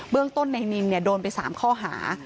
เรื่องต้นในนินโดนไป๓ข้อหา